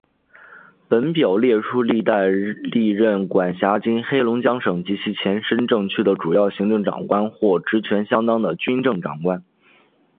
本表列出历代历任管辖今黑龙江省及其前身政区的主要行政长官或职权相当的军政长官。